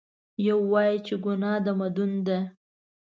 یو وایي چې ګناه د مدون ده.